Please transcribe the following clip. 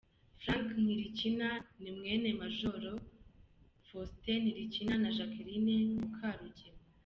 Frank Ntilikina ni mwene Major Ir Faustin Ntilikina na Jacqueline Mukarugema.